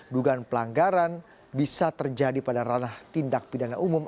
dugaan pelanggaran bisa terjadi pada ranah tindak pidana umum